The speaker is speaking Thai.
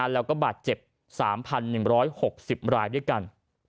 แล้วก็บาดเจ็บ๓๑๖๐รายด้วยกัน